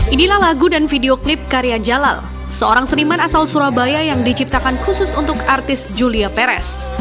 inilah lagu dan video klip karya jalal seorang seniman asal surabaya yang diciptakan khusus untuk artis julia perez